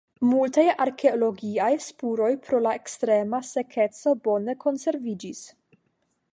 Multaj arkeologiaj spuroj pro la ekstrema sekeco bone konserviĝis.